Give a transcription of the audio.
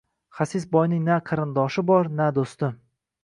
Xasis boyning na qarindoshi bor, na doʻsti